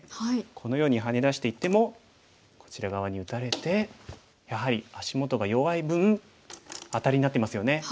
このようにハネ出していってもこちら側に打たれてやはり足元が弱い分アタリになってますよね。